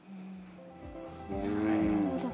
なるほど。